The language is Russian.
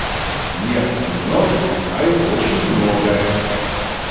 Нет, умён и знаю очень много!